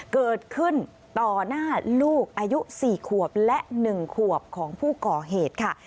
เกิดขึ้นต่อหน้าลูกอายุ๔ขวบและ๑ขวบของผู้ก่อเหตุค่ะ